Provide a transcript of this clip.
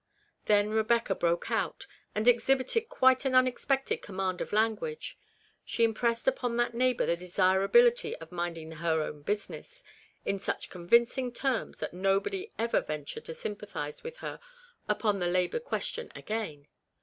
Then Kebecca broke out, and exhibited quite an unexpected command of language. She im pressed upon that neighbour the desirability of minding her own business in such convincing terms that nobody ever ventured to sympathize with her upon the labour question again.